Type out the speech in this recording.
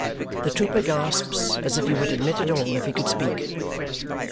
The trooper gasps as if he would admit it all if he could speak.